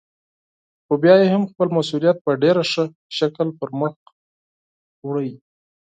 خو بيا يې هم خپل مسئوليت په ډېر ښه شکل پرمخ وړه.